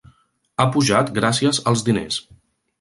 Ha pujat gràcies als diners.